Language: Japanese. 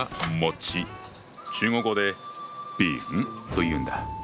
中国語で「」というんだ。